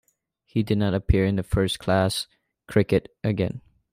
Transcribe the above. He did not appear in first-class cricket again.